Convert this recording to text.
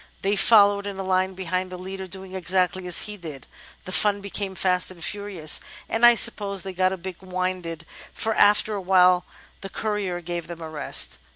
They followed in a line behind the leader, doing exactly as he did. The fun became fast and furious, and I suppose they got a bit winded, for after a while the courier gave them a rest.